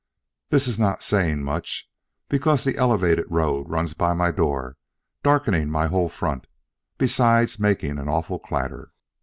This is not saying much, because the elevated road runs by my door, darkening my whole front, besides making an awful clatter.